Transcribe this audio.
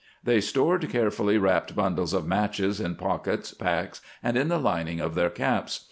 They stored carefully wrapped bundles of matches in pockets, packs, and in the lining of their caps.